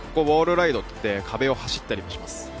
ウォールライドといって、壁を走ったりもします。